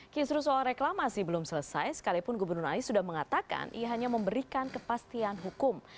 kisru soal reklamasi belum selesai sekalipun gubernur anies sudah mengatakan ia hanya memberikan kepastian hukum